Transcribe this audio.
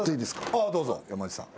ああどうぞ山内さん。